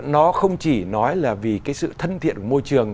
nó không chỉ nói là vì cái sự thân thiện của môi trường